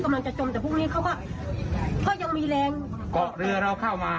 ออกไปเพื่อจะไปเชื่อคนที่กำลังจะจมแต่พวกนี้เขาก็เขายังมีแรง